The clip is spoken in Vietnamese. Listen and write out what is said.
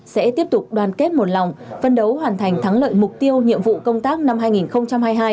sẽ tiếp tục đoàn kết một lòng phân đấu hoàn thành thắng lợi mục tiêu nhiệm vụ công tác năm hai nghìn hai mươi hai